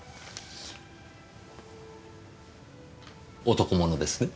男物ですね？